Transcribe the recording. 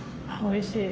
おいしい？